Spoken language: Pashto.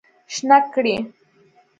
شنه کړی